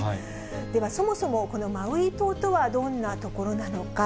では、そもそもこのマウイ島とはどんな所なのか。